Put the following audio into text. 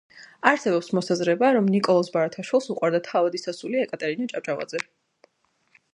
არსებობს მოსაზრება, რომ ნიკოლოზ ბარათაშვილს უყვარდა თავადის ასული ეკატერინე ჭავჭავაძე